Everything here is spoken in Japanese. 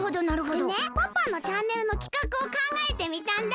でねパパのチャンネルのきかくをかんがえてみたんだ！